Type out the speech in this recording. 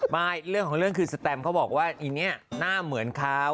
ไม่เรื่องของเรื่องคือสแตมเขาบอกว่าอีเนี่ยหน้าเหมือนเขา